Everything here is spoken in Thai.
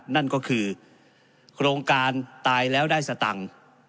นั่นก็คือโครงการตายแล้วได้สตังค์